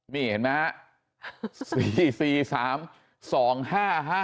นี่เห็นมั้ยฮะ